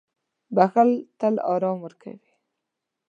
• بښل تل آرام ورکوي.